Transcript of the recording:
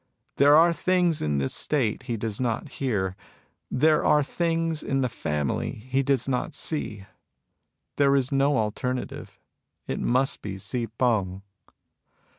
There are things in the State he does not hear ; there are things in the family he does not see. There is no alternative ; it must be Hsi F6ng."